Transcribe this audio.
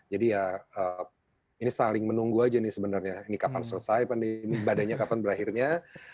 jadi ya ini saling menunggu aja nih sebenarnya ini kapan selesai pandemi badannya kapan berakhirnya